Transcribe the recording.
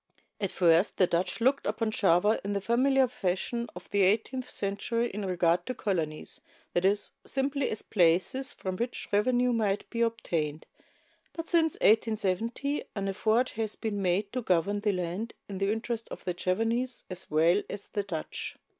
At first the Dutch looked upon Java in the familiar fashion of the eighteenth century in regard to colonies, that is, simply as places from which revenue might be obtained; but since 1870 an effort has been made to govern the land in the interest of the Javanese as well as the Dutch.